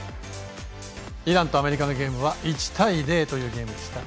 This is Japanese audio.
イランとアメリカのゲームは１対０というゲームでした。